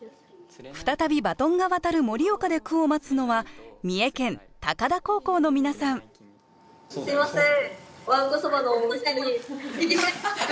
再びバトンが渡る盛岡で句を待つのは三重県高田高校の皆さんすいません！